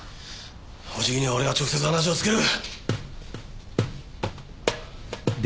おじきには俺が直接話をつける。